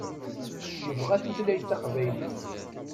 Yebɣa tutlayt taqbaylit.